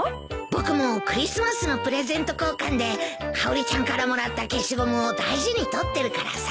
僕もクリスマスのプレゼント交換でかおりちゃんからもらった消しゴムを大事に取ってるからさ。